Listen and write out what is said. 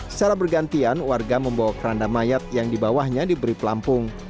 secara bergantian warga membawa keranda mayat yang di bawahnya diberi pelampung